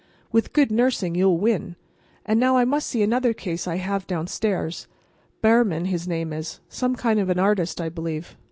"With good nursing you'll win. And now I must see another case I have downstairs. Behrman, his name is—some kind of an artist, I believe.